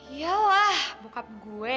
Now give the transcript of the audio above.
iyalah bokap gue